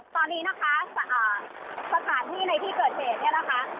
ตอนนี้สถานที่ในที่เกิดเหตุ